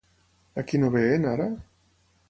A qui no veien ara?